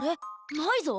ないぞ。